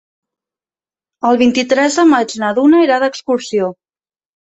El vint-i-tres de maig na Duna irà d'excursió.